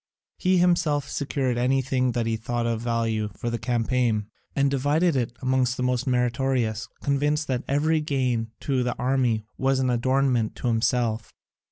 He himself secured anything that he thought of value for the campaign, and divided it among the most meritorious, convinced that every gain to the army was an adornment to himself.